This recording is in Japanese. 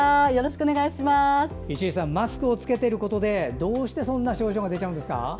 石井さんマスクを着けていることでどうしてそんな症状が出ちゃうんですか？